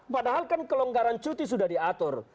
padahal kan kelonggaran cuti sudah diatur